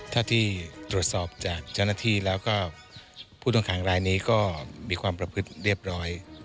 ถ้าที่ตรวจสอบจากเจ้าหน้าที่แล้วก็ผู้ต้องขังรายนี้ก็มีความประพฤติเรียบร้อย